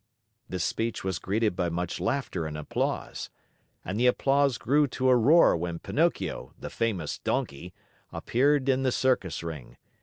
This speech was greeted by much laughter and applause. And the applause grew to a roar when Pinocchio, the famous Donkey, appeared in the circus ring.